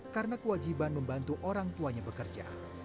karena kewajiban membantu orang tuanya bekerja